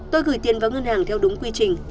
tôi gửi tiền vào ngân hàng theo đúng quy trình